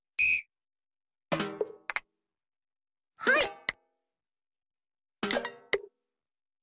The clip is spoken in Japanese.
はい。